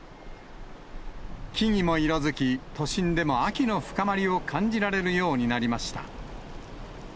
木々も色づき、都心でも秋の深まりを感じられるようになりました。